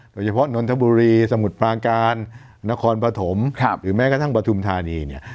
โดยเฉพาะนนทบุรีสมุทรปาการนครปฐมหรือแม้กระทั่งปฐุมธานีเนี่ย